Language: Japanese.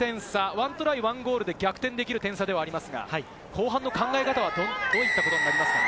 １トライ１ゴールで逆転できる点差ではありますが、後半の考え方はどういったことになりますか？